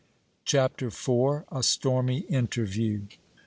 CHAPTER IV. A STORMY INTERVIEW.